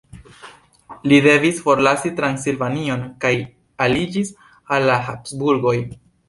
Li devis forlasi Transilvanion kaj aliĝis al la Habsburgoj.